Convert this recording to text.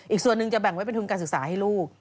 อีกส่วนหนึ่งจะแบ่งไว้เป็นทุนการศึกษาให้ลูก